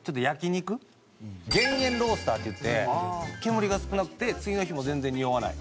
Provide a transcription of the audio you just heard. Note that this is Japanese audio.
減煙ロースターっていって煙が少なくて次の日も全然におわない。